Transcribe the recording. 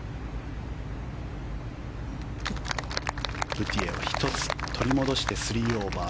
ブティエは１つ取り戻して３オーバー。